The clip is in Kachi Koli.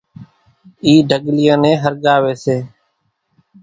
اِِي ڍڳليان نين ۿرڳاوي سي،